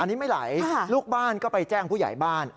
อันนี้ไม่ไหลลูกบ้านก็ไปแจ้งผู้ใหญ่บ้าน